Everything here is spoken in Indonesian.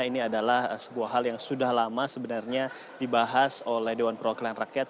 ini adalah sebuah hal yang sudah lama sebenarnya dibahas oleh dewan perwakilan rakyat